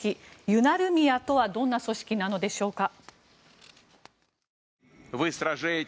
ユナルミヤとはどんな組織なのでしょうか。